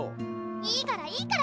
いいからいいから！